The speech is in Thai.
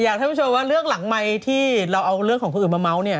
อยากให้มันโชว์ว่าเรื่องหลังไมค์ที่เราเอาเรื่องของคนอื่นมาเมาส์เนี่ย